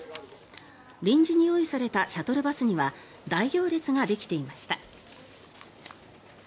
臨時に用意されたシャトルバスには大行列ができていました。